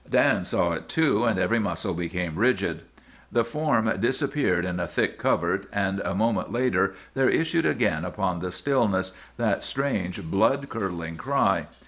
Dan saw it too, and every muscle became rigid. "The form disappeared in a thick covert, and a moment later there issued again upon the stillness that strange, blood curdling cry.